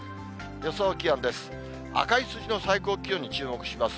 予想気温です。